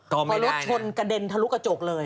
พอรถชนกระเด็นทะลุกระจกเลย